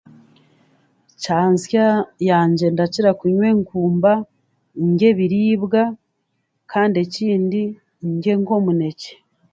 Kyansya yangye ndakira kunywa enkuuba ndye ebiriibwa kandi ekindi ndye nk'omunekye